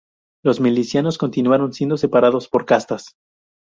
Los milicianos continuaron siendo separados por castas.